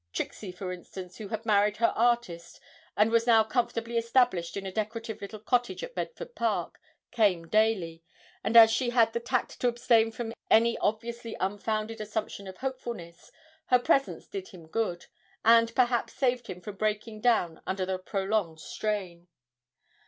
Trixie, for instance, who had married her artist, and was now comfortably established in a decorative little cottage at Bedford Park, came daily, and as she had the tact to abstain from any obviously unfounded assumption of hopefulness, her presence did him good, and perhaps saved him from breaking down under the prolonged strain.